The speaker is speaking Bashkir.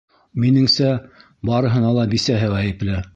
Минеңсә, барыһына ла бисәһе ғәйепле.